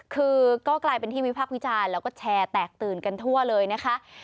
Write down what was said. คือก็กลายเป็นที่วิพักษ์วิจารณ์แล้วก็แชร์แตกตื่นกันทั่วเลยนะคะ